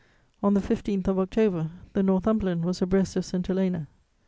On the 15th of October, the Northumberland was abreast of St. Helena.